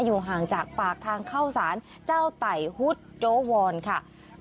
อยู่ห่างจากปากทางเข้าสารเจ้าไต่ฮุดโจวอนค่ะ